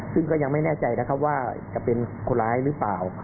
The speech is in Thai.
ซึ่งก็ยังไม่แน่ใจนะครับว่าจะเป็นคนร้ายหรือเปล่า